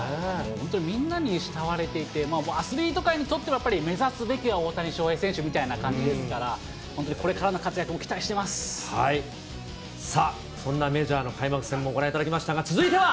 本当にみんなに慕われていて、アスリートたちにとっては、やっぱり目指すべきは大谷翔平選手みたいな感じですから、本当にさあ、そんなメジャーの開幕戦もご覧いただきましたが、続いては。